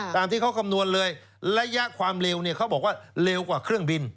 ตามที่เขาคำนวณเลยระยะความเร็วเนี่ยเขาบอกว่าเร็วกว่าเครื่องบิน